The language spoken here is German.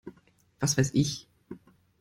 Was weiß ich!